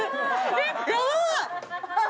えっやばい！